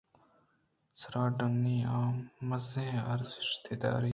سارڈونی! آ مزنیں ارزشتے داریت